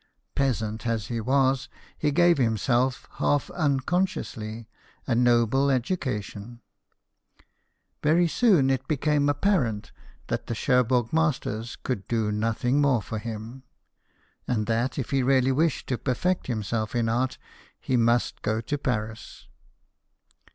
Peasant as he was, he gave himself, half unconsciously, a noble education. Very soon, it became apparent that the Cherbourg masters could do nothing more for him, and that, if he really wished to perfect himself in art, he must go to Paris.